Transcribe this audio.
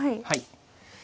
はい。